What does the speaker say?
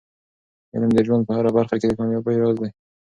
علم د ژوند په هره برخه کې د کامیابۍ راز دی.